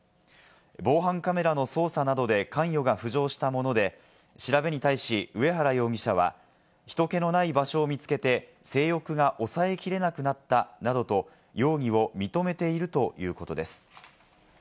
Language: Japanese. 防犯カメラの捜査などで関与が浮上したもので、調べに対し、上原容疑者は人けのない場所を見つけて、性欲が抑えきれなくなったなどと容疑を認めているということです。